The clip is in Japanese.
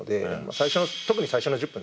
最初の特に最初の１０分ですね。